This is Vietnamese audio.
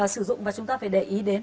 sử dụng và chúng ta phải để ý đến